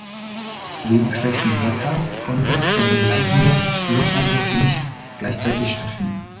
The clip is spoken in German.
Wegen schlechten Wetters konnte der begleitende Luftangriff nicht gleichzeitig stattfinden.